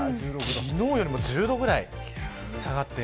昨日よりも１０度ぐらい下がって。